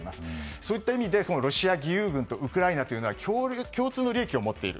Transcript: そういった意味でロシア義勇軍とウクライナは共通の利益を持っている。